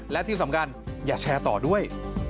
และที่สำคัญอย่าแชร์ต่อด้วย